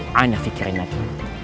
saya pikirkan saja